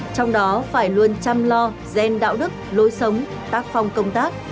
trong đó phải luôn chăm lo gian đạo đức lối sống tác phong công tác